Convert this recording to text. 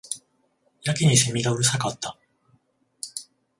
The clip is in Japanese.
やけに蝉がうるさかった